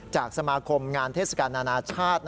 จากสมาคมงานเทศกาลนานาชาติ